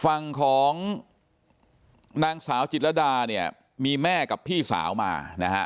ฝั่งของนางสาวจิตรดาเนี่ยมีแม่กับพี่สาวมานะฮะ